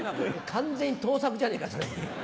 完全に盗作じゃねえかそれ。